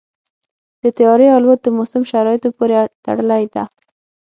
د طیارې الوت د موسم شرایطو پورې تړلې ده.